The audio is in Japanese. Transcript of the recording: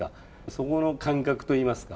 そこの感覚といいますか。